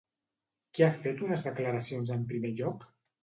Qui ha fet unes declaracions en primer lloc?